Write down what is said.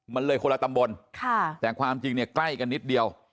มันเลยคนละตำบลแต่ความจริงเนี่ยใกล้กันนิดเดียว